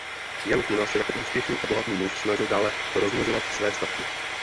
Jan Kuna se jako úspěšný a bohatý muž snažil dále rozmnožovat své statky.